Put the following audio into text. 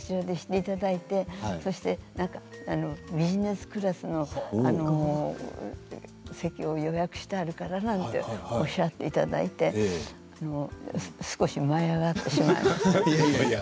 いただいてビジネスクラスの席を予約してあるからっておっしゃっていただいて少し舞い上がってしまいました。